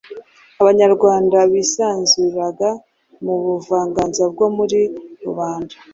Abanyarwanda bisanzuriraga mu buvanganzo bwo muri rubanda